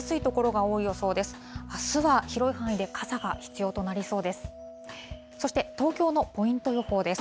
あすは広い範囲で傘が必要となりそうです。